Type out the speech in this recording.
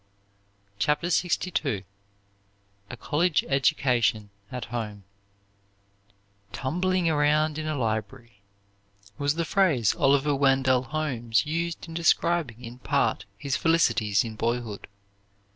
CHAPTER LXII A COLLEGE EDUCATION AT HOME "Tumbling around in a library" was the phrase Oliver Wendell Holmes used in describing in part his felicities in boyhood.